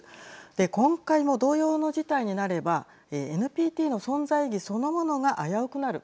今回も同様の事態になればＮＰＴの存在意義そのものが危うくなる。